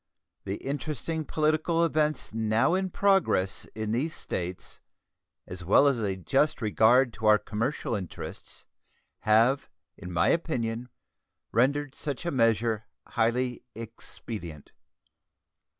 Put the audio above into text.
The interesting political events now in progress in these States, as well as a just regard to our commercial interests, have, in my opinion, rendered such a measure highly expedient.